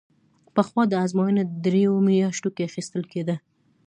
پخوا دا ازموینه درېیو میاشتو کې اخیستل کېده.